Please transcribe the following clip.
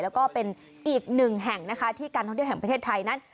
แล้วก็เป็นอีกหนึ่งแห่งนะคะที่การท่องเที่ยวแห่งประเทศไทยนั้น